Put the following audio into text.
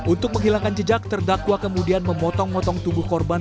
untuk menghilangkan jejak terdakwa kemudian memotong motong tubuh korban